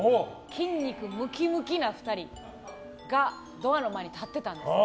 筋肉ムキムキな２人がドアの前に立ってたんです。